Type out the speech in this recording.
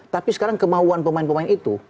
tapi sekarang kemauan pemain pemain itu